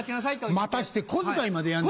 待たせて小遣いまでやんねん。